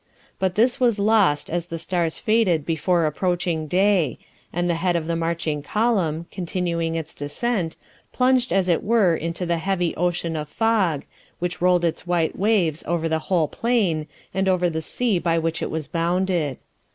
But this was lost as the stars faded before approaching day, and the head of the marching column, continuing its descent, plunged as it were into the heavy ocean of fog, which rolled its white waves over the whole plain, and over the sea by which it was bounded.